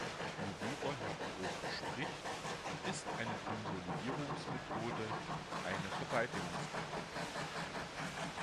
Worüber Herr Brok spricht, ist eine Konsolidierungsmethode, eine Verteidigungstaktik.